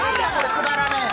くだらねえ。